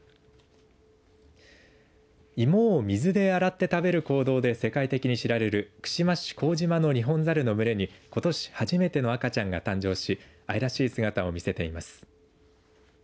芋を水で洗って食べる行動で世界的に知られる串間市幸島のニホンザルの群れにことし初めての赤ちゃんが誕生し愛らしい姿を見せています。